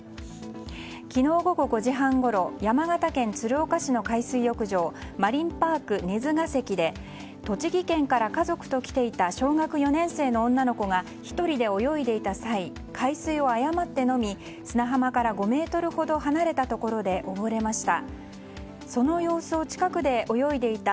昨日午後５時半ごろ山形県鶴岡市の海水浴場マリンパークねずがせきで栃木県から家族と来ていた小学４年生の女の子が１人で泳いでいた際海水を誤って飲み砂浜から５ｍほど離れたところで溺れました。